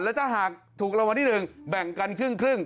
แล้วถ้าหากถูกเรามานิดหนึ่งแบ่งกันครึ่ง